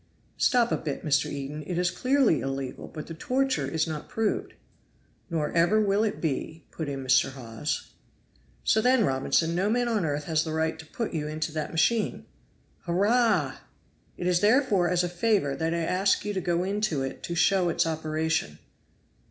"Stop a bit, Mr. Eden. It is clearly illegal, but the torture is not proved." "Nor ever will be," put in Mr. Hawes. "So then, Robinson, no man on earth has the right to put you into that machine." "Hurrah!" "It is therefore as a favor that I ask you to go into it to show its operation."